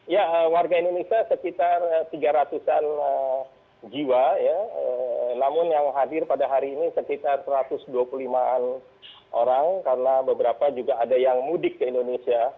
ya warga indonesia sekitar tiga ratus an jiwa namun yang hadir pada hari ini sekitar satu ratus dua puluh lima an orang karena beberapa juga ada yang mudik ke indonesia